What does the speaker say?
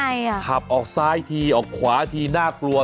พาเลยค่ะเอาทราบออกซ้ายทีออกขวาทีน่ากลัว